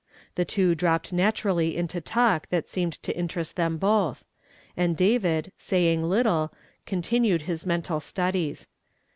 The two dropped naturally into talk that seemed to interest them both ; and David, say ing little, continued his mental studies.